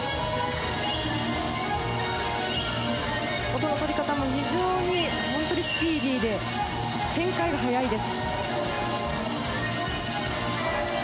音の取り方も非常にスピーディーで、転回が早いです。